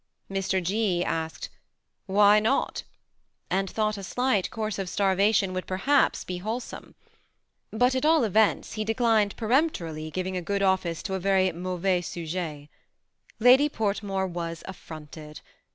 Mr. G. asked " Why not ?" and thought a slight course of starvation would, perhaps, be wholesome ; but, at all events, he declined peremp torily giving a good office to a very mauvais sujet. Lady Portmore was afironted.